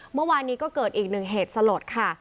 เมื่อวานนี้ก็เกิดอีกหนึ่งเหตุสลดค่ะ